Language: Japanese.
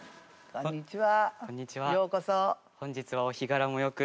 こんにちは。